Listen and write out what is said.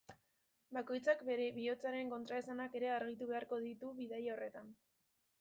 Bakoitzak bere bihotzaren kontraesanak ere argitu beharko ditu bidaia horretan.